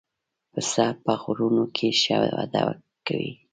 پسه په غرونو کې ښه وده کوي.